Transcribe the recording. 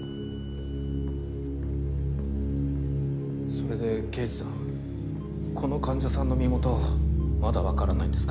・それで刑事さんこの患者さんの身元まだ分からないんですか？